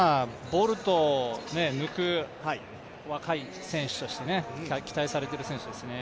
ボルトを抜く若い選手として、期待されている選手ですね。